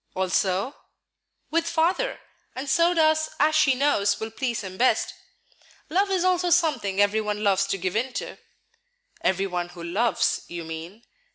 "Also?" "With Father; and so does as she knows will please him best. Love is also something every one loves to give in to." "Every one who loves, you mean."